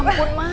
ya ampun ma